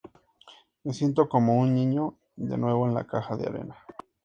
Me siento como un niño de nuevo en la caja de arena".